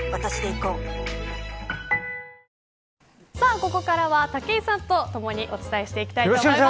ここからは、武井さんとともにお伝えしていきたいと思います。